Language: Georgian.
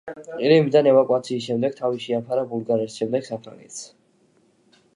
ყირიმიდან ევაკუაციის შემდეგ თავი შეაფარა ბულგარეთს, შემდეგ საფრანგეთს.